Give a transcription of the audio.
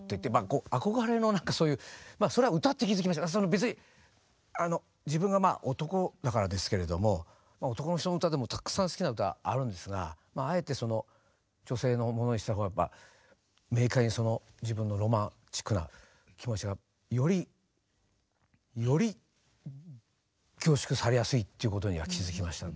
別に自分がまあ男だからですけれども男の人の歌でもたくさん好きな歌あるんですがあえてその女性のものにしたのはやっぱ明快にその自分のロマンチックな気持ちがよりより凝縮されやすいっていうことには気付きましたね。